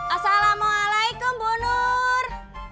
assalamualaikum bu nur